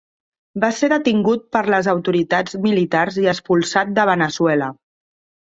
Va ser detingut per les autoritats militars i expulsat de Veneçuela.